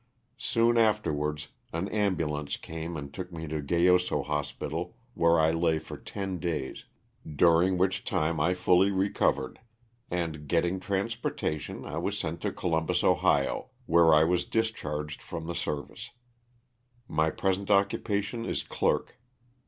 Soon afterwards an ambulance came and took me to Grayoso Hospital where I lay for ten days, during which time I fully recovered and, getting transportation, I was sent to Columbus, Ohio, where I was discharged from the service. My present occupation is clerk.